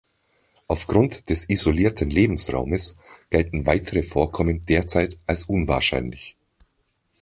Aufgrund des isolierten Lebensraumes gelten weitere Vorkommen derzeit als unwahrscheinlich.